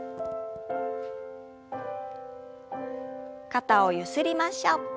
肩をゆすりましょう。